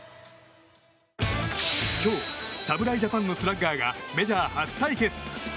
今日、侍ジャパンのスラッガーがメジャー初対決。